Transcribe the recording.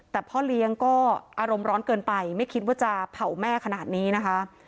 แต่พ่อเลี้ยงก็อารมณ์ร้อนเกินไปไม่คิดว่าจะเผาแม่ขนาดนี้นะคะ